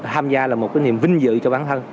tham gia là một cái niềm vinh dự cho bản thân